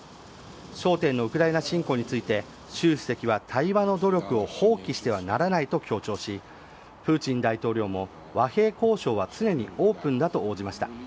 焦点のウクライナ侵攻について習主席は対話の努力を放棄してはならないと強調しプーチン大統領も和平交渉は常にオープンだと応じました。